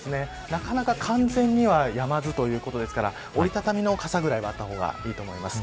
なかなか完全にやまずということですから折り畳みの傘ぐらいはあった方がいいと思います。